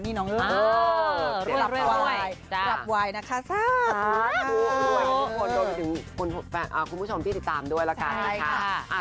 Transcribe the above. โหน่าร่วยทุกคนโดยมาถึงคุณผู้ชมที่ติดตามด้วยนะคะ